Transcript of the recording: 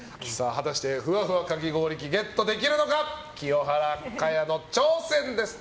果たしてふわふわに作れるかき氷器ゲットできるのか清原果耶の挑戦です。